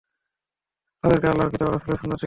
তাদেরকে আল্লাহর কিতাব ও রাসূলের সুন্নাত শিক্ষা দিব।